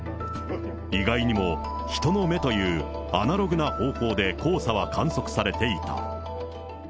意外にも人の目というアナログな方法で黄砂は観測されていた。